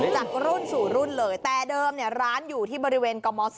จากรุ่นสู่รุ่นเลยแต่เดิมเนี่ยร้านอยู่ที่บริเวณกม๒